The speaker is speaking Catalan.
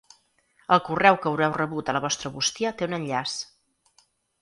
El correu que haureu rebut a la vostra bústia té un enllaç.